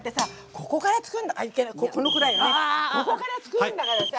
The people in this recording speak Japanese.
ここから作るんだからさ。